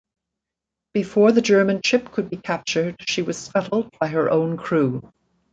Before the German ship could be captured she was scuttled by her own crew.